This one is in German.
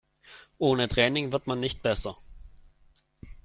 Ohne Training wird man nicht besser.